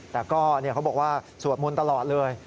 แต่ก็เขาบอกว่าสวดมนต์ตลอดเลย